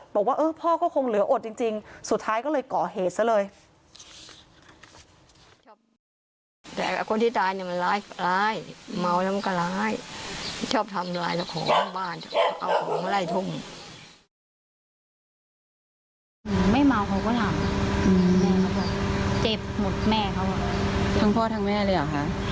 บอกว่าพ่อก็คงเหลืออดจริงสุดท้ายก็เลยก่อเหตุซะเลย